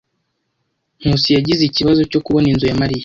Nkusi yagize ikibazo cyo kubona inzu ya Mariya.